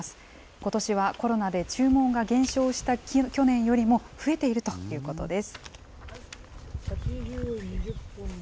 ことしはコロナで注文が減少した去年よりも増えているということです。